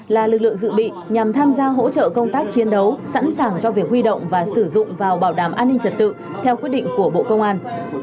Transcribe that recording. là lực lượng dự bị nhằm tham gia hỗ trợ công tác chiến đấu sẵn sàng cho việc huy động và sử dụng vào bảo đảm an ninh trật tự theo quyết định của bộ công an